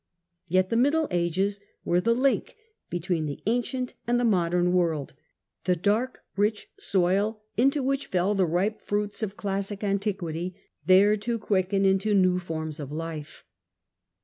Yet the Middle Ages were the link between the ancient and the modern world, the dark rich soil into which fell the ripe fruits of classic antiquity, there to quicken into new forms of life.